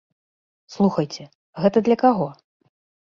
Слухайце, гэта для каго?